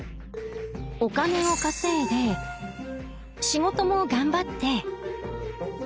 お金を稼いで仕事も頑張って。